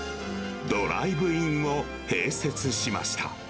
ドライブインを併設しました。